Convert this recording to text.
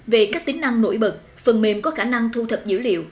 về các tính năng nổi bật phần mềm có khả năng thu thập dữ liệu